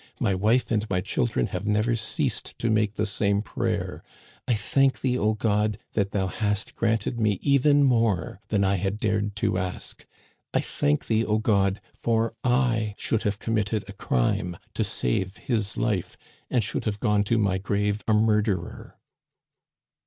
My wife and my children have never ceased to make the same prayer. I thank thee, O God, that thou hast granted me even more than I had dared to ask. I thank thee, O God, for I should have committed a crime to save his life, and should have gone to my grave a murderer."